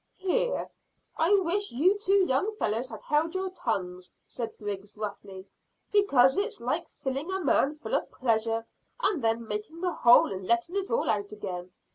"Here, I wish you two young fellows had held your tongues," said Griggs roughly, "because it's like filling a man full of pleasure, and then making a hole and letting it all out again.